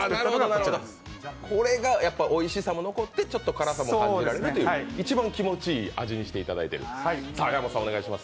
なるほど、おいしさも残ってちょっと辛さも感じられる、一番気持ちいい味にしていただいている。